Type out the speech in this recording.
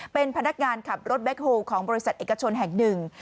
เป็นพนักงานขับรถแบ็คโฮลของบริษัทเอกชนแห่งหนึ่ง